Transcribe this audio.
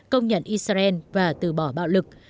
công nhận israel và từ bỏ bạo lực